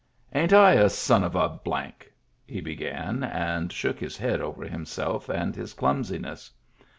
"Ain't I a son of a —?" he began, and shook his head over himself and his clumsiness.